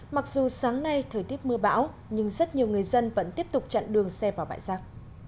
mặc dù sáng nay thời tiết mưa bão nhưng rất nhiều người dân vẫn tiếp tục chặn đường xe vào bãi rác